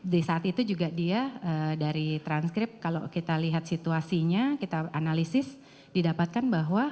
di saat itu juga dia dari transkrip kalau kita lihat situasinya kita analisis didapatkan bahwa